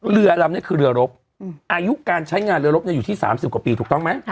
เรือลำนี้คือเรือรบอายุการใช้งานเรือรบอยู่ที่๓๐กว่าปีถูกต้องไหม